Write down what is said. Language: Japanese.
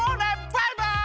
バイバイ！